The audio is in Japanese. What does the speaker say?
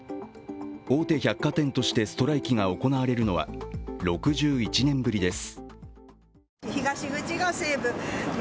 大手百貨店としてストライキが行われるのは６１年ぶりです。